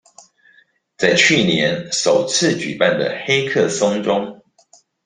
在去年首次舉辦的黑客松中